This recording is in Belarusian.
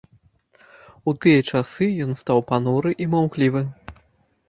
У тыя часы ён стаў пануры і маўклівы.